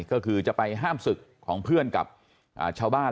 ก็คือจะไปห้ามศึกของเพื่อนกับชาวบ้าน